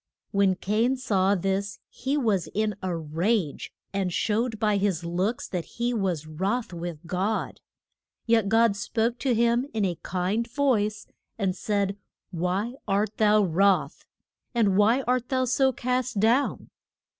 When Cain saw this he was in a rage, and showed by his looks that he was wroth with God. Yet God spoke to him in a kind voice, and said, Why art thou wroth? and why art thou so cast down?